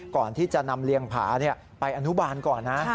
ก่อนที่จะนำเรียงผาไปอนุบาลก่อนนะ